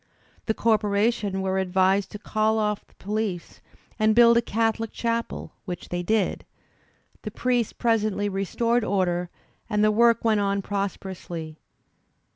The corporation were advised to call oflF the police and build a Catholic chapel, which they did; the priest presently restored order, and the work went on pros perously.